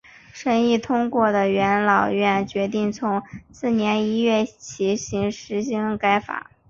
审议通过的元老院决定从次年一月起施行该法。